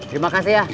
terima kasih ya